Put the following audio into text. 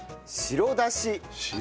白だし。